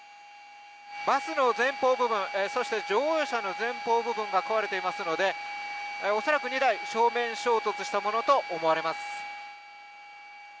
バスの前方部分と乗用車の前方部分が壊れていますので恐らく２台、正面衝突したものと思われます。